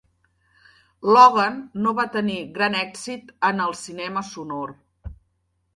Logan, no va tenir gran èxit en el cinema sonor.